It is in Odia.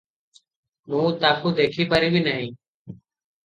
ମୁଁ ତାକୁ ଦେଖିପାରିବି ନାହିଁ ।